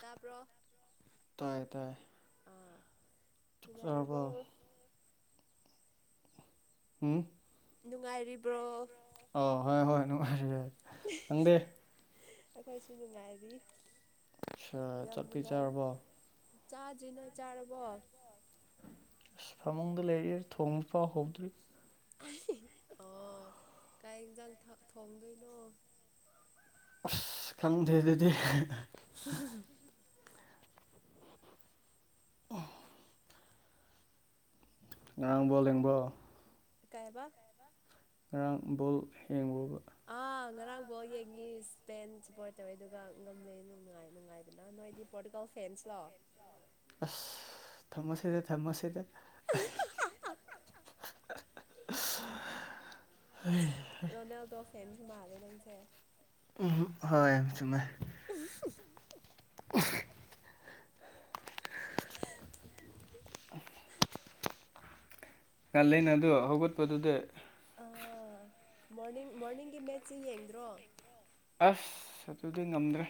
ꯇꯥꯕ꯭ꯔꯣ꯫ ꯇꯥꯏꯌꯦ ꯇꯥꯏꯌꯦ꯫ ꯑꯥ ꯅꯨꯡꯉꯥꯏꯔꯤꯕꯣ꯫ ꯎꯝ ꯅꯨꯡꯉꯥꯏꯔꯤꯕ꯭ꯔꯣ꯫ ꯑ ꯍꯣꯏ ꯍꯣꯏ ꯅꯨꯡꯉꯥꯏꯔꯤ ꯌꯥꯏ ꯅꯪꯗꯤ ꯑꯩꯈꯣꯏꯁꯨ ꯅꯨꯡꯉꯥꯏꯔꯤ ꯑꯁ ꯌꯥꯝ ꯆꯥꯛꯇꯤ ꯅꯨꯡꯉꯥꯏ꯫ ꯆꯥꯔꯕꯣ ꯆꯥꯗ꯭ꯔꯤ ꯅꯣꯏ ꯆꯥꯔꯕꯣ꯫ ꯑꯁ ꯐꯃꯨꯡꯗ ꯂꯩꯔꯤꯑꯦ ꯊꯣꯡꯕ ꯐꯥꯎ ꯍꯧꯗ꯭ꯔꯤ꯫ ꯑꯣ ꯀꯩꯏ ꯌꯦꯟꯁꯥꯡ ꯊꯣꯡꯗꯣꯏꯅꯣ꯫ ꯑꯁ ꯈꯪꯗꯦ ꯑꯗꯨꯗꯤ [unintelligible] ꯉꯔꯥꯡ ꯕꯣꯜ ꯌꯦꯡꯕꯣ꯫ ꯀꯩꯑꯕꯥ ꯉꯔꯥꯡ ꯕꯣꯜ ꯌꯦꯡꯕ꯭ꯔꯣꯕ꯫ ꯑꯥ ꯉꯔꯥꯡꯐꯥꯎ ꯌꯦꯡꯉꯤ ꯁꯄꯦꯟ ꯁꯨꯄꯣꯔꯠ ꯇꯧꯋꯦ ꯑꯗꯨꯒ ꯉꯝꯃꯦ ꯅꯨꯡ ꯅꯨꯡꯉꯥꯏ ꯅꯨꯡꯉꯥꯏꯕꯅ ꯅꯣꯏꯗꯤ ꯄꯣꯔꯇꯨꯒꯜ ꯐꯦꯟꯁ ꯂꯣ꯫ ꯑꯁ ꯊꯝꯃ‌ꯣꯁꯤꯗ ꯊꯝꯃ‌ꯣꯁꯤꯗ [unintelligible] [unintelligible] ꯔꯣꯅꯥꯜꯗꯣ ꯐꯦꯟꯁ ꯃꯥꯜꯂꯦ ꯅꯪꯁꯦ꯫ ꯎꯝ ꯍꯣꯏ ꯆꯨꯝꯃꯦ꯫ [unintelligible] [unintelligible] [unintelligible] ꯉꯥꯂꯤꯅꯗꯨ ꯍꯧꯒꯠꯄꯗꯨꯗꯤ꯫ ꯑꯥ ꯃꯣꯔꯅꯤꯡ ꯃꯣꯔꯅꯤꯡꯒꯤ ꯃꯦꯠꯁꯤ ꯌꯦꯡꯗ꯭ꯔꯣ꯫ ꯑꯁ ꯑꯗꯨꯗꯤ ꯉꯝꯗ꯭ꯔꯦ꯫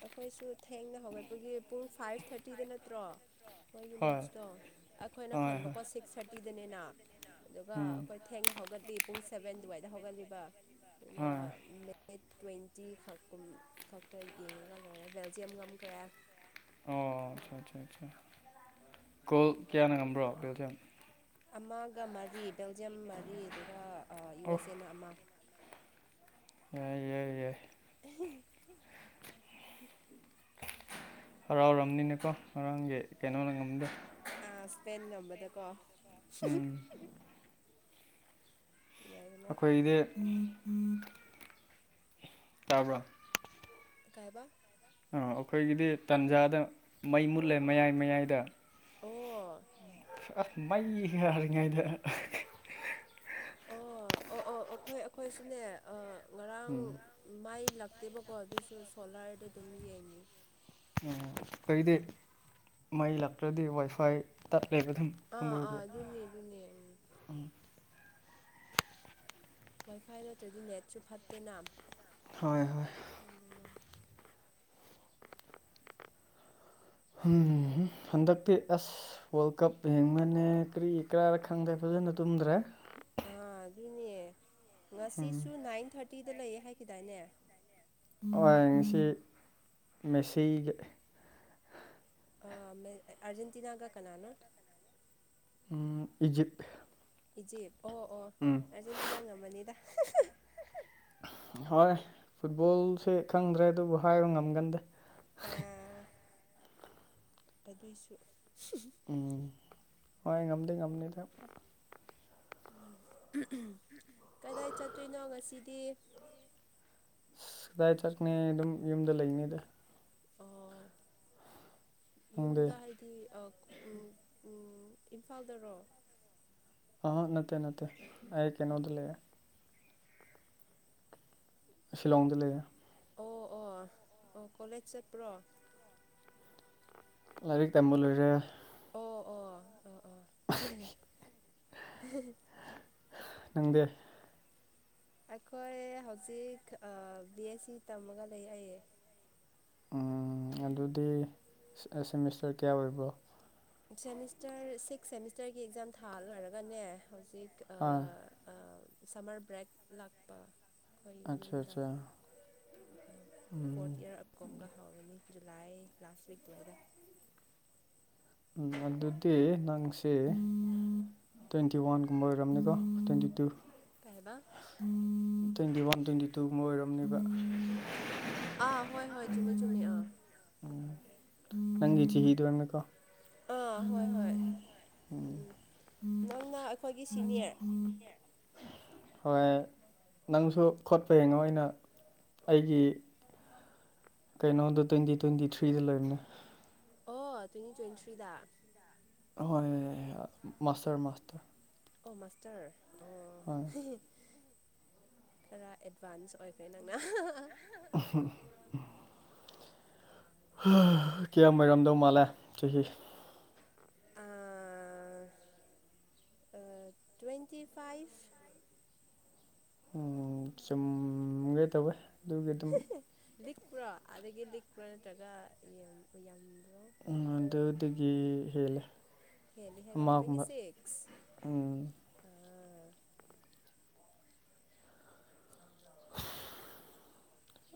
ꯑꯩꯈꯣꯏꯁꯨ ꯊꯦꯡꯅ ꯍꯧꯒꯠꯄꯒꯤ ꯄꯨꯡ ꯐꯥꯏꯚ ꯊꯥꯔꯇꯤꯗ ꯅꯠꯇ꯭ꯔꯣ꯫ ꯃꯣꯏꯒꯤ ꯍꯣꯏ ꯃꯦꯠꯁꯇꯣ ꯑꯩꯈꯣꯏꯅ ꯍꯣꯏ ꯍꯣꯏ ꯈꯟꯕꯀꯣ ꯁꯤꯛꯁ ꯊꯥꯔꯇꯤꯗꯅꯦꯅ ꯑꯗꯨꯒ ꯎꯝ ꯑꯩꯈꯣꯏ ꯊꯦꯡꯅ ꯍꯧꯒꯠꯂꯤ ꯄꯨꯡ ꯁꯕꯦꯟ ꯑꯗꯨꯋꯥꯏꯗ ꯍꯧꯒꯠꯂꯤꯕ ꯑꯗꯨꯅ ꯍꯣꯏ ꯃ‌ꯦ ꯃꯦꯠ ꯇ꯭ꯋꯦꯟꯇꯤ ꯈꯛꯀꯨꯝ ꯈꯛꯇ ꯌꯦꯡꯉꯒ ꯂꯣꯏꯔ‌ꯦ ꯕꯦꯜꯖꯤꯌꯝ ꯉꯝꯈ꯭ꯔꯦ꯫ ꯑꯣ ꯑꯆꯥ ꯑꯆꯥ ꯑꯆꯥ ꯀꯣꯜ ꯀꯌꯥꯅ ꯉꯝꯕ꯭ꯔꯣ ꯕ‌ꯦꯜꯖꯤꯌꯝ꯫ ꯑꯃꯒ ꯃꯔꯤ ꯕꯦꯜꯖꯤꯌꯝ ꯃꯔꯤ ꯑꯗꯨꯒ ꯌꯨ ꯑꯦꯁ ꯑꯣꯐ ꯑꯦꯅ ꯑꯃ ꯌꯥ ꯌꯥꯏ ꯌꯥꯏ [unintelligible] ꯍꯔꯥꯎꯔꯕꯅꯤꯅꯦꯀꯣ ꯉꯔꯥꯡꯒꯤ ꯀꯩꯅꯣꯅ ꯉꯝꯗ ꯑ ꯁ꯭ꯄꯦꯟ ꯉꯝꯕꯗꯀꯣ ꯎꯝ ꯅꯨꯡꯉꯥꯏꯕꯅ ꯑꯩꯈꯣꯏꯗꯤ ꯇꯥꯕ꯭ꯔ‌ꯣ ꯀꯥꯏꯕ ꯑꯥ ꯑꯩꯈꯣꯏꯒꯤꯗꯤ ꯇꯥꯟꯖꯥꯗ ꯃꯩ ꯃꯨꯠꯂꯦ ꯃꯌꯥꯏ ꯃꯌꯥꯏꯗ ꯑꯣ ꯑ ꯃꯩ ꯉꯥꯏꯔꯤꯉꯩꯗ ꯑꯣ ꯑꯣ ꯑꯣ ꯑꯩꯈꯣꯏ ꯑꯩꯈꯣꯏ ꯁꯨꯅꯦ ꯑ ꯉꯔꯥꯡ ꯎꯝ ꯃꯥꯏ ꯂꯥꯛꯇꯦꯕꯀꯣ ꯑꯗꯨꯁꯨ ꯁꯣꯂꯥꯔꯗ ꯑꯗꯨꯝ ꯌꯦꯡꯉꯦ ꯈ‌ꯣꯏꯒꯤꯗꯤ ꯃꯩ ꯂꯥꯛꯇ‍꯭ꯔꯗꯤ ꯋꯥꯏꯐꯥꯏ ꯇꯠꯂꯦꯕ ꯑꯗꯨꯝ ꯑꯥ ꯑꯥ ꯗꯨꯅꯤ ꯗꯨꯅꯤ ꯎꯝ ꯎꯝ ꯋꯥꯏꯐꯥꯏ ꯅꯠꯇ꯭ꯔꯗꯤ ꯅꯦꯠꯁꯨ ꯐꯠꯇꯦꯅ ꯍꯣꯏ ꯍꯣꯏ [unintelligible] ꯅ ꯍꯟꯗꯛꯇꯤ ꯑꯁ ꯋꯥꯔꯜ ꯀꯞ ꯌ‌ꯦꯡꯕꯅꯦ ꯀꯔꯤ ꯀꯔꯥꯔ ꯈꯪꯗ꯭ꯔꯦ ꯐꯖꯅ ꯇꯨꯝꯗ꯭ꯔꯦ ꯑꯥ ꯑꯗꯨꯅꯦ ꯎꯝ ꯉꯁꯤꯁꯨ ꯅꯥꯏꯟ ꯊꯥꯔꯇꯤꯗ ꯂꯩꯌꯦ ꯍꯥꯏꯈꯤꯗꯥꯏꯅꯦ ꯍ‌ꯣꯏ ꯉꯁꯤ ꯃꯦꯁꯤꯒꯤ ꯑ ꯃ‌ꯦ ꯑꯔꯖꯦꯟꯇꯤꯅꯥꯒ ꯀꯅꯥꯅꯣ ꯎꯝ ꯏꯖꯤꯞ ꯏꯖꯤꯞ ꯑꯣ ꯑꯣ ꯎꯝ ꯑꯥꯔꯖꯦꯟꯇꯤꯅꯥ ꯉꯝꯃꯅꯤꯗ ꯍꯣꯏ ꯐꯨꯠꯕꯣꯜꯁꯦ ꯈꯪꯗ꯭ꯔꯦ ꯑꯗꯨꯕꯨ ꯍꯥꯏꯕ ꯉꯝꯒꯟꯗꯦ ꯑ ꯑꯗꯨꯏꯁꯨ ꯎꯝ ꯍꯣꯏ ꯉꯝꯗꯤ ꯉꯝꯅꯤꯗ ꯀꯗꯥꯏ ꯆꯠꯇꯣꯏꯅꯣ ꯉꯁꯤꯗꯤ ꯑꯁ ꯀꯗꯥꯏ ꯆꯠꯅꯤ ꯑꯗꯨꯝ ꯌꯨꯝꯗ ꯂꯩꯅꯤꯗ ꯑꯣ ꯅꯪꯗꯤ ꯌꯨꯝꯗ ꯍꯥꯏ ꯗꯤ ꯑ ꯎꯪ ꯎꯪ ꯏꯝꯐꯥꯜꯗꯔꯣ ꯑꯥ ꯅꯠꯇꯦ ꯅꯠꯇꯦ ꯑꯩ ꯑꯥ ꯀꯩꯅꯣꯗ ꯂꯩꯌꯦ ꯁꯤꯂꯣꯡꯗ ꯂꯩꯌꯦ ꯑꯣ ꯑꯣ ꯑꯣ ꯀꯣꯂꯦꯖ ꯆꯠꯄ꯭ꯔꯣ ꯂꯥꯏꯔꯤꯛ ꯇꯝꯕ ꯂꯣꯏꯔꯦ ꯑꯣ ꯑꯣ ꯑꯣ ꯑꯣ [unintelligible] ꯅꯪꯗꯤ ꯑꯩꯈꯣꯏ ꯍꯧꯖꯤꯛ ꯕꯤ ꯑꯦꯁ ꯁꯤ ꯇꯝꯃꯒ ꯂꯩ ꯑꯩ ꯎꯝ ꯑꯗꯨꯗꯤ ꯁꯦꯃꯤꯁꯇꯔ ꯀꯌꯥ ꯑꯣꯏꯕ꯭ꯔꯣ ꯁꯦꯃꯤꯁꯇꯔ ꯁꯤꯛꯁ ꯁꯦꯃꯤꯁꯇꯔꯒꯤ ꯑꯦꯛꯖꯥꯝ ꯊꯥ ꯂꯩꯔꯒꯅꯦ ꯍꯧꯖꯤꯛ ꯑꯥ ꯑ ꯁꯝꯃꯔ ꯕ꯭ꯔꯦꯛ ꯂꯥꯛꯄ ꯑꯩꯈꯣꯏ ꯑꯠꯆꯥ ꯌꯨꯝꯗ ꯆꯥ ꯐꯣꯔꯠ ꯏꯌꯥꯔ ꯀꯣꯝꯒ ꯍꯧꯔꯅꯤ ꯖꯨꯂꯥꯏ ꯂꯥꯁ ꯋꯤꯛ ꯑꯗꯨꯋꯥꯏꯗ ꯑꯗꯨꯗꯤ ꯅꯪꯁꯤ ꯇ꯭ꯋꯦꯟꯇꯤ ꯋꯥꯟꯒꯨꯝꯕ ꯑꯣꯏꯔꯝꯅꯤꯀꯣ ꯇ꯭ꯋꯦꯟꯇꯤ ꯇꯨ ꯀꯩ ꯍꯥꯏꯕ ꯇ꯭ꯋꯦꯟꯇꯤ ꯋꯥꯟ ꯇ꯭ꯋꯦꯟꯇꯤ ꯇꯨꯒꯨꯝꯕ ꯑꯣꯏꯔꯝꯅꯤꯕ ꯑꯥ ꯍꯣꯏ ꯍꯣꯏ ꯆꯨꯝꯃꯤ ꯆꯨꯝꯃꯤ ꯑꯥ ꯅꯪꯒꯤ ꯆꯍꯤꯗꯨ [unintelligible] ꯀꯣ ꯑꯥ ꯍꯣꯏ ꯍꯣꯏ ꯎꯝ ꯅꯪꯅ ꯑꯩꯈꯣꯏꯒꯤ ꯁꯤꯅꯤꯌꯔ ꯍꯣꯏ ꯅꯪꯁꯨ ꯈꯣꯠꯄ ꯌꯦꯡꯉꯣ ꯑꯩꯅ ꯑꯩꯒꯤ ꯀꯩꯅꯣꯗꯣ ꯇ꯭ꯋꯦꯟꯇꯤ ꯇ꯭ꯋꯦꯟꯇꯤ ꯊ꯭ꯔꯤꯗ ꯂꯣꯏꯕꯅꯦ ꯑꯣ ꯇ꯭ꯋꯦꯟꯇꯤ ꯇ꯭ꯋꯦꯟꯇꯤ ꯊ꯭ꯔꯤꯗ ꯑꯍꯣꯏ ꯃꯥꯁꯇꯔ ꯃꯥꯁꯇꯔ ꯑꯣ ꯃꯥꯁꯇꯔ ꯑꯣ ꯍꯣꯏ ꯈꯔ ꯑꯦꯗꯚꯥꯟꯁ ꯑꯣꯏꯈ꯭ꯔꯦ ꯅꯪꯅ [unintelligible] ꯀꯌꯥꯝ ꯑꯣꯏꯔꯝꯗꯧ ꯃꯥꯜꯂꯦ ꯆꯍꯤ ꯑꯥ ꯑ ꯇ꯭ꯋꯦꯟꯇꯤ ꯐꯥꯏꯚ ꯎꯝ ꯆꯨꯝꯒꯦ ꯇꯧꯋꯦ ꯑꯗꯨꯒꯤ ꯑꯗꯨꯝ ꯂꯤꯛꯄ꯭ꯔꯣ ꯑꯗꯒꯤ ꯂꯤꯛꯄ꯭ꯔꯥ ꯅꯠꯇ꯭ꯔꯒ ꯌꯥꯝꯕ꯭ꯔꯣ ꯑ ꯑꯗꯨꯗꯒꯤ ꯍꯦꯜꯂꯦ ꯍꯦꯜꯂꯤ ꯍꯥꯏꯔꯣ ꯇ꯭ꯋꯦꯟꯇꯤ ꯑꯃꯒꯨꯝꯕ ꯁꯤꯛꯁ ꯎꯝ ꯑ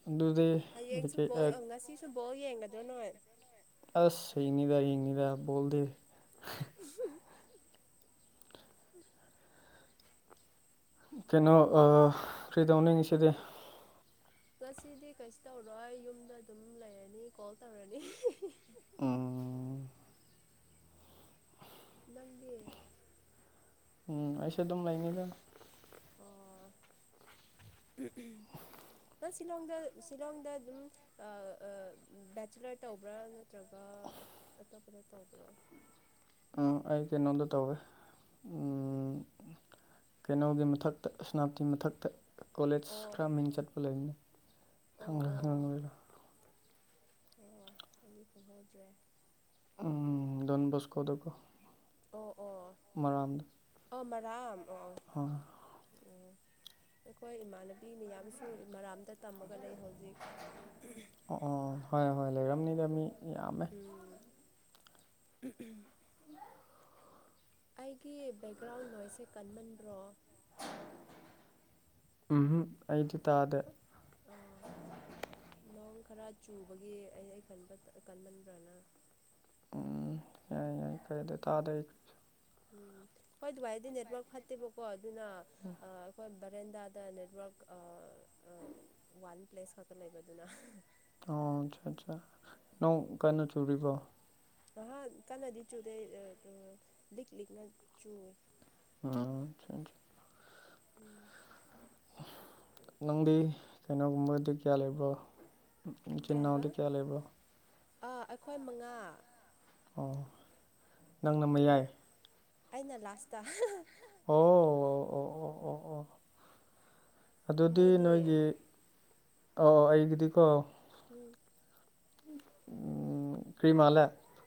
ꯑꯗꯨꯗꯤ ꯍꯌꯦꯡꯁꯨ ꯕꯣꯜ ꯉꯁꯤꯁꯨ ꯕꯣꯜ ꯌꯦꯡꯒꯗ꯭ꯔꯣ ꯅꯣꯏ ꯑꯁ ꯍꯌꯦꯡꯅꯤꯗ ꯌꯦꯡꯅꯤꯗ ꯕꯣꯜꯗꯤ [unintelligible] ꯀꯩꯅꯣ ꯑ ꯀ꯭ꯔꯤꯗꯧꯅꯤ ꯉꯁꯤꯗꯤ ꯉꯁꯤꯗꯤ ꯀꯩꯁꯨ ꯇꯧꯔꯣꯏ ꯌꯨꯝꯗ ꯑꯗꯨꯝ ꯂꯩꯔꯅꯤ ꯀꯣꯜ ꯇꯧꯔꯅꯤ ꯎꯝ ꯅꯪꯗꯤ ꯎꯝ ꯑꯩꯁꯨ ꯑꯗꯨꯝ ꯂꯩꯥꯅꯤꯗ ꯑꯣ ꯅꯪ ꯁꯤꯂꯣꯡꯗ ꯁꯤꯂꯣꯡꯗ ꯑꯗꯨꯝ ꯑ ꯑ ꯕꯦꯆꯤꯂꯔ ꯇꯧꯕ꯭ꯔꯥ ꯅꯠꯇ꯭ꯔꯒ ꯑꯇꯣꯞꯄꯗ ꯇꯧꯕ꯭ꯔꯣ ꯑ ꯑꯩ ꯀꯩꯅꯣꯗ ꯇꯧꯋꯦ ꯎꯝ ꯀꯩꯅꯣꯒꯤ ꯃꯊꯛꯇ ꯁꯦꯅꯥꯞꯇꯤ ꯃꯊꯛꯇ ꯀꯣꯂꯦꯖ ꯑꯣ ꯈꯔ ꯃꯤꯡ ꯆꯠꯄ ꯂꯩꯕꯅꯤ ꯑꯣ ꯑꯣ [unintelligible] ꯑꯣ ꯑꯩꯗꯤ ꯈꯪꯍꯧꯗ꯭ꯔꯦ ꯎꯝ ꯗꯣꯟꯕꯣꯁꯀꯣꯗꯀꯣ ꯑꯣ ꯑꯣ ꯑꯥ ꯃꯔꯝ ꯑꯣ ꯑꯥ ꯎ ꯑꯩꯈꯣꯏ ꯏꯃꯥꯟꯅꯕꯤ ꯃꯌꯥꯝꯁꯨ ꯃꯔꯥꯝꯗ ꯇꯝꯃꯒ ꯂꯩ ꯍꯧꯖꯤꯛ ꯑꯣ ꯍ ꯍꯣꯏ ꯂꯩꯔꯝ ꯅꯗꯤ ꯑ ꯎꯝ ꯑꯩꯒꯤ ꯕꯦꯛꯒ꯭ꯔꯥꯎꯟ ꯅꯣꯏꯁꯁꯦ ꯀꯟꯃꯟꯕ꯭ꯔꯣ ꯎꯨꯝꯍꯨꯝ ꯑꯩꯗꯤ ꯇꯥꯗ ꯑꯥ ꯅꯣꯡ ꯈꯔ ꯆꯨꯕꯒꯤ ꯑꯩ ꯑꯩ ꯈꯟꯕ ꯀꯟꯃꯟꯕ꯭ꯔꯅ ꯀꯩꯗ ꯇꯥꯗ ꯎꯝ ꯍꯣꯏ ꯚꯏꯗꯤ ꯅꯦꯠꯋꯥꯔꯛ ꯐꯠꯇꯦꯕꯀꯣ ꯑꯗꯨꯅ ꯑꯩꯈꯣꯏ ꯕꯔꯦꯟꯗꯥꯗ ꯅꯦꯠꯋꯥꯔꯛ ꯋꯥꯟ ꯄ꯭ꯂꯦꯁ ꯈꯛꯇ ꯂꯩꯕꯗꯨꯅ ꯑꯣ ꯑꯆꯥ ꯑꯠꯆꯥ ꯅꯣꯡ ꯀꯟꯅꯣ ꯆꯨꯔꯤꯕꯣ ꯑꯍꯥꯟ ꯀꯥꯟꯟꯅꯗꯤ ꯆꯨꯗꯦ ꯂꯤꯛ ꯂꯤꯛꯅ ꯆꯨꯏ ꯎꯝ ꯎꯝ ꯅꯪꯗꯤ ꯀꯩꯅꯣꯒꯨꯝꯕꯗꯤ ꯀꯌꯥ ꯂꯩꯕ꯭ꯔꯣ ꯏꯆꯤꯟ ꯀꯩ ꯍꯥꯏꯕ ꯏꯅꯥꯎꯗꯤ ꯀꯌꯥ ꯂꯩꯕ꯭ꯔꯣ ꯑꯥ ꯑꯩꯈꯣꯏ ꯃꯉꯥ ꯑꯣ ꯅꯪꯅ ꯅꯣꯏ ꯃꯌꯥꯏ ꯑꯩꯅ ꯂꯥꯁꯇ ꯑꯣ ꯑꯣ ꯑꯣ ꯑꯣ ꯑꯣ ꯑꯣ ꯑꯗꯨꯗꯤ ꯅꯣꯏꯗꯤ ꯅꯣꯏꯒꯤ ꯑꯣ ꯑꯩꯒꯤꯗꯤꯀꯣ ꯎꯝ ꯀꯔꯤ ꯃꯥꯜꯂꯦ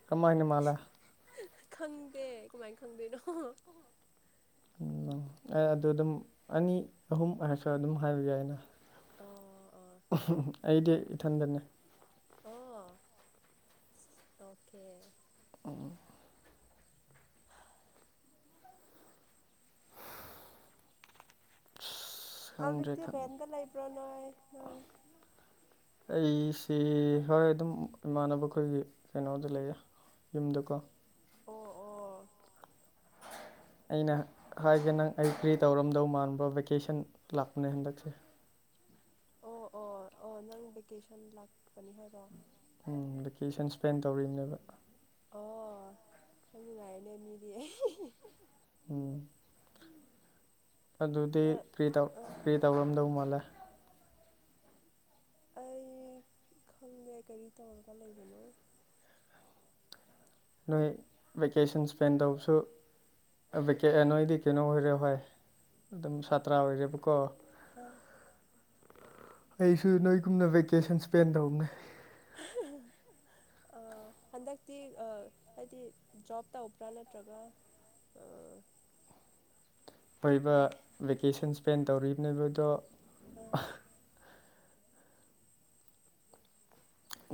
ꯀꯝꯥꯏꯅ ꯃꯥꯜꯂꯦ ꯈꯪꯗꯦ ꯀꯃꯥꯏꯅ ꯈꯪꯗꯣꯏꯅꯣ ꯎꯝ ꯑ ꯑꯗꯨ ꯑꯗꯨꯝ ꯑꯅꯤ ꯑꯍꯨꯝ ꯑꫭꯏꯔꯁꯨ ꯑꯗꯨꯝ ꯍꯥꯏꯕ ꯌꯥꯏꯅ ꯑ ꯑꯩꯗꯤ ꯏꯊꯟꯗꯅꯦ ꯑꯣ ꯑꯣꯀꯦ [inaudible] [inaudible] ꯑꯧꯖꯤꯛꯇ ꯈꯪꯗ꯭ꯔꯦ ꯔꯦꯟꯗ ꯂꯩꯕ꯭ꯔꯅꯦ ꯅꯪ ꯑꯩꯁꯤ ꯍꯣꯏ ꯑꯗꯨꯝ ꯏꯃꯥꯟꯅꯕ ꯈꯣꯏꯒꯤ ꯀꯩꯅꯣꯗ ꯂꯩꯌꯦ ꯌꯨꯝꯗꯀꯣ ꯑꯣ ꯑꯣ ꯑꯩꯅ ꯍꯥꯏꯒꯦ ꯅꯪ ꯑꯩ ꯀꯔꯤ ꯇꯧꯔꯝꯗꯧ ꯃꯥꯟꯕ꯭ꯔꫭ ꯚꯦꯀꯦꯁꯟ ꯂꯥꯛꯄꯅꯦ ꯍꯟꯗꯛꯁꯦ ꯑꯣ ꯑꯣ ꯑꯣ ꯅꯪ ꯚꯦꯀꯦꯁꯟ ꯂꯥꯛꯄꯅꯦ ꯍꯥꯏꯔꯣ ꯎꯝ ꯚꯦꯀꯦꯁꯟ ꯁ꯭ꯄꯦꯟ ꯇꯧꯔꯤꯡꯂꯕ ꯑꯣ ꯌꯥꯝ ꯅꯨꯡꯉꯥꯏꯔꯦꯅꯦ ꯃꯤꯗꯤ ꯎꯝ ꯑꯗꯨꯗꯤ ꯑ ꯀꯔꯤ ꯇꯧ ꯑ ꯀꯔꯤ ꯇꯧꯔꯝꯗꯧ ꯃꯥꯜꯂꯦ ꯑꯩ ꯈꯪꯗꯦ ꯀꯔꯤ ꯇꯧꯔꯒ ꯂꯩꯕꯅꯣ ꯅꯣꯏ ꯚꯦꯀꯦꯁꯟ ꯏꯁꯄꯦꯟ ꯇꯧꯕꯁꯨ ꯑ ꯕꯦꯀꯦ ꯅꯣꯏꯗꯤ ꯀꯩꯅꯣ ꯑꯣꯏꯔꯦ ꯍꯣꯏ ꯑꯗꯨꯝ ꯁꯥꯇ꯭ꯔꯥ ꯑꯣꯏꯔꯦꯕꯀꯣ ꯑ ꯑꯩꯁꯨ ꯅꯣꯏꯒꯨꯝꯅ ꯕꯦꯀꯦꯁꯟ ꯁ꯭ꯄꯦꯟ ꯇꯧꯕꯅꯦ [inaudible] ꯑꯥ ꯍꯟꯗꯛꯇꯤ ꯑꯥ ꯍꯥꯏꯗꯤ ꯖꯣꯞ ꯇꯧꯕ꯭ꯔꯥ ꯅꯠꯇ꯭ꯔꯒ ꯑꯥ ꯑꯣꯏꯕ ꯕꯦꯀꯦꯁꯟ ꯁ꯭ꯄꯦꯟ ꯇꯧꯔꯤꯕꯅꯦꯕ ꯑꯗꯣ ꯑ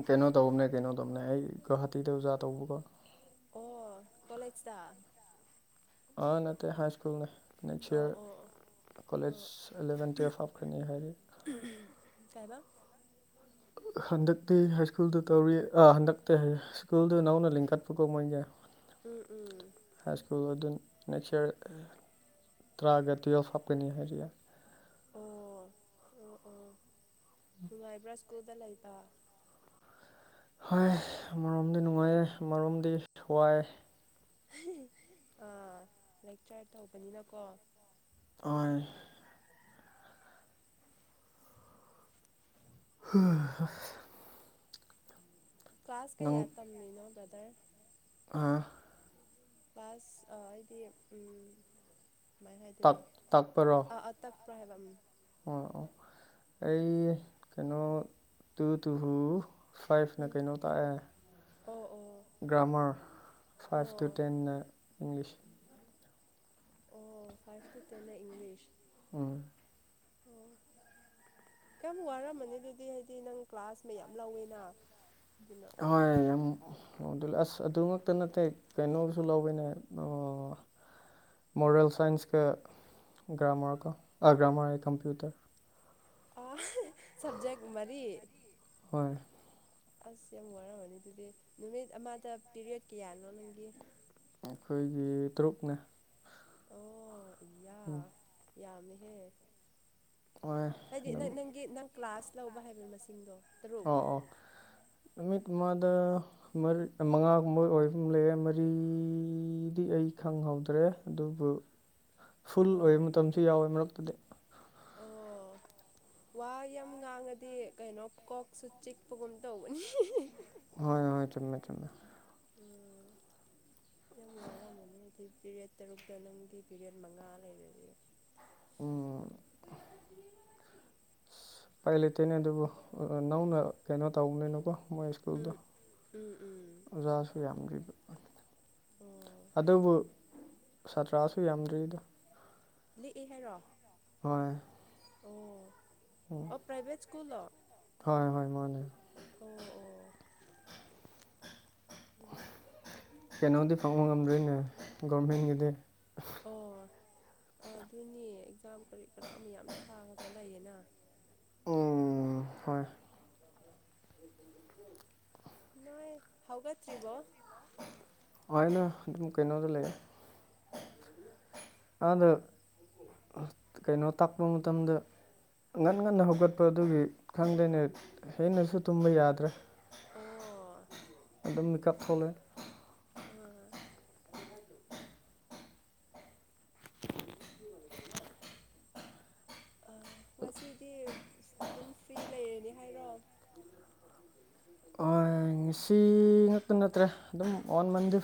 ꯀꯩꯅꯣ ꯇꯧꯕꯅꯦ ꯀꯩꯅꯣ ꯇꯧꯕꯅꯦ ꯑꯩ ꯒꯧꯍꯥꯇꯤꯗ ꯑꯣꯖꯥ ꯇꯧꯕꯀꯣ ꯑꯣ ꯀꯣꯂꯦꯖꯗ ꯑ ꯅꯠꯇꯦ ꯍꯥꯏ ꯁ꯭ꯀꯨꯜ ꯅꯦ ꯅꯦꯛꯁ ꯑꯣ ꯑꯣ ꯏꯌꯥꯔ ꯑꯣ ꯀꯣꯂꯦꯖ ꯏꯂꯦꯚꯦꯟ ꯇꯨꯌꯦꯜꯐ ꯍꯥꯞ ꯈ꯭ꯔꯅꯤ ꯍꯥꯏꯔꯤ ꯀꯩꯕꯥ ꯍꯟꯗꯛꯇꯤ ꯍꯥꯏ ꯁ꯭ꯀꯨꯜꯗ ꯇꯧꯔꯤ ꯑ ꯍꯟꯗꯛꯇꯤ ꯍꯥꯏ ꯁ꯭ꯀꯨꯜꯗꯨ ꯅꯧꯅ ꯂꯤꯡꯈꯠꯄꯀꯣ ꯃꯣꯏꯒꯤ ꯎꯝ ꯎꯝ ꯍꯥꯏꯁ ꯀꯨꯜ ꯂ ꯗꯨꯟ ꯅꯦꯛꯁ ꯏꯌꯥꯔ ꯇ꯭ꯔꯥꯒ ꯇꯨꯋꯦꯜꯐ ꯍꯥꯞꯀꯅꯤ ꯍꯥꯏꯔꯤꯌꯦ ꯑꯣ ꯑꯣ ꯑꯣ ꯅꯨꯡꯉꯥꯏꯕ꯭ꯔꯥ ꯁ꯭ꯀꯨꯜꯗ ꯂꯩꯕ ꯍ ꯑꯃꯔꯣꯝꯗ ꯅꯨꯡꯉꯥꯏꯌꯦ ꯑꯃꯔꯣꯝꯗꯤ ꯋꯥꯏ ꯑꯥ ꯂꯦꯛꯆꯔ ꯇꯧꯕꯅꯤꯅꯀꯣ ꯑꯣꯏ ꯍꯨ ꯍ ꯀ꯭ꯂꯥꯁ ꯀꯩꯌꯥ ꯅꯪ ꯇꯝꯃꯤꯅꯣ ꯕ꯭ꯔꯗꯔ ꯑꯥ ꯄꯁ ꯑꯩꯗꯤ ꯎꯝ ꯀꯃꯥꯏꯅ ꯇꯥꯛ ꯍꯥꯏꯗꯣꯏꯅꯣ ꯇꯥꯛꯄꯔꯣ ꯑ ꯑꯇꯛ ꯄ꯭ꯔꯥꯏ ꯍꯥꯏꯕ ꯎꯝ ꯑꯣ ꯑꯣ ꯑꯩ ꯀꯩꯅꯣ ꯇꯨ ꯇꯨ ꯍꯨ ꯁ꯭ꯋꯥꯏꯐꯅ ꯎꯝ ꯀꯩꯅꯣ ꯇꯥꯛꯑꯦ ꯑꯣ ꯑꯣ ꯒ꯭ꯔꯃꯔ ꯐꯥꯏꯚ ꯇꯨ ꯑꯣ ꯇꯟꯅ ꯏꯪꯂꯤꯁ ꯑꯣ ꯐꯥꯏꯚ ꯇꯨ ꯇꯦꯟꯅ ꯏꯪꯂꯤꯁ ꯎꯝ ꯑꯣ ꯀꯌꯥꯝ ꯋꯥꯔꯝꯃꯅꯤ ꯑꯗꯨꯗꯤ ꯍꯥꯏꯗꯤ ꯅꯪ ꯀ꯭ꯂꯥꯁ ꯃꯌꯥꯝ ꯂꯧꯋꯦꯅ ꯑꯗꯨꯅ ꯍꯍꯣꯏ ꯌꯥꯝ ꯑꯣ ꯑꯗꯨ ꯑꯁ ꯑꯗꯨꯃꯛꯇ ꯅꯠꯇꯦ ꯀꯩꯅꯣꯁꯨ ꯂꯧꯕꯅꯦ ꯑꯣ ꯃꯣꯣꯔꯦꯜ ꯁꯥꯏꯟꯁꯀ ꯭ꯔꯝꯔ ꯀꯒ꯭ꯔꯝꯔ ꯍꯥꯏ ꯀꯝꯄꯌꯨꯇꯔ ꯑ ꯁꯞꯖꯦꯛ ꯃꯔꯤ ꯍꯣꯏ ꯑꯁ ꯌꯥꯝ ꯋꯥꯔꯝꯃꯅꯤ ꯑꯗꯨꯗꯤ ꯅꯨꯃꯤꯠ ꯑꯃꯗ ꯄꯤꯔꯌꯠ ꯀꯌꯥꯅꯣ ꯅꯪꯒꯤ ꯑꯩꯈꯣꯏꯒꯤ ꯇꯔꯨꯛꯅ ꯑꯣ ꯏꯌꯥ ꯎꯝ ꯌꯥꯝꯃꯦꯍꯦ ꯍꯣꯏ ꯍꯥꯏꯗꯤ ꯑꯗꯨꯝ ꯅꯪ ꯅꯪꯒꯤ ꯅꯪ ꯀ꯭ꯂꯥꯁ ꯂꯧꯕ ꯍꯥꯏꯕ ꯃꯁꯤꯡꯗꯣ ꯇꯔꯨꯛ ꯑꯣ ꯑꯣꯃꯤ ꯃꯗ ꯃꯉꯥꯒꯨꯝꯕ ꯑꯣꯏꯕ ꯂꯩꯦ ꯃꯔꯤꯗꯤ ꯑꯩ ꯈꯪꯍꯧꯗ꯭ꯔꯦ ꯑꯗꯨꯕꯨ [unintelligible] ꯐꯨꯜ ꯑꯥ ꯑꯣꯏꯕ ꯃꯇꯝꯁꯨ ꯌꯥꯎꯋꯦ ꯃꯔꯛꯇꯨꯗꯤ ꯑꯣ ꯋꯥ ꯌꯥꯝ ꯉꯥꯡꯉꯗꯤ ꯀꯩꯅꯣ ꯀꯣꯛꯁꯨ ꯆꯤꯛꯄꯒꯨꯝ ꯇꯧꯕꯅꯤ ꯍꯣꯏ ꯍꯣꯏ ꯆꯠꯃꯦ ꯆꯃꯦ ꯎꯝ ꯌꯥꯝ ꯋꯥꯔꯝꯃꯅꯤ ꯑꯗꯨꯗꯤ ꯄꯦꯔꯦꯠ ꯇꯔꯨꯛꯇ ꯅꯪꯒꯤ ꯄꯦꯔꯦꯠ ꯃꯉꯥ ꯂꯩꯔꯗꯤ ꯎꯝ ꯑ ꯄꯥꯏ ꯂꯩꯦꯇꯣꯏꯅꯦ ꯑꯗꯨꯕꯨ ꯅꯧꯅ ꯀꯩꯅꯣ ꯇꯧꯕꯅꯤꯅꯀꯣ ꯃꯣꯏ ꯁ꯭ꯀꯨꯜꯗ ꯎꯝ ꯎꯝ ꯎꯝ ꯑꯣꯖꯥꯁꯨ ꯌꯥꯝꯗ꯭ꯔꯤꯕ ꯑꯣ ꯑꯗꯨꯕꯨ ꯁꯥꯇ꯭ꯔꯥꯁꯨ ꯌꯥꯝꯗ꯭ꯔꯤꯗꯣ ꯂꯦꯛꯑꯦ ꯍꯥꯏꯔꯣ ꯍ ꯑꯣ ꯑꯣ ꯄ꯭ꯔꯥꯏꯚꯦꯠ ꯁ꯭ꯀꯨꯜꯣ ꯍꯣꯏ ꯍꯣꯏ ꯃꯥꯣꯏꯅꯦ ꯑꯣ ꯑꯣ [unintelligible] ꯀꯩꯅꯣꯗꯤ ꯐꯪꯕ ꯉꯝꯗꯣꯏꯅꯦ ꯒꯣꯔꯃꯦꯟꯒꯤꯗꯤ ꯑꯣ ꯑꯗꯨꯅꯦ ꯑꯦꯛꯖꯥꯝ ꯀꯔꯤ ꯀꯔꯥ ꯃꯌꯥꯝ ꯊꯥꯒꯗꯧ ꯂꯩꯌꯦꯅ ꯎꯝ ꯍꯣꯏ ꯅꯣꯏ ꯍꯧꯒꯠꯇ꯭ꯔꯤꯕꯣ [unintelligible] ꯑꯗꯨꯝ ꯀꯩꯅꯣꯗ ꯂꯩꯌꯦ ꯑꯗꯥ ꯀꯩꯅꯣ ꯇꯥꯛꯄ ꯃꯇꯝꯗꯨ ꯉꯟ ꯉꯟꯅ ꯍꯧꯒꯠꯄ ꯑꯗꯨꯒꯤ ꯈꯪꯗꯦꯅꯦ ꯍꯦꯟꯅꯁꯨ ꯇꯨꯝꯕ ꯌꯥꯗ꯭ꯔꯦ ꯑꯣ ꯑꯗꯨꯝ ꯃꯤꯀꯞ ꯊꯣꯛꯂꯛꯑꯦ ꯑꯥ ꯑ ꯉꯁꯤꯗꯤ ꯑꯗꯨꯝ ꯐ꯭ꯔꯤ ꯂꯩꯔꯅꯤ ꯍꯥꯏꯔꯣ ꯍꯣꯏ ꯉꯁꯤ ꯉꯛꯇ ꯅꯠꯇ꯭ꯔꯦ ꯑꯗꯨꯝ ꯋꯥꯟ ꯃꯟꯗꯤ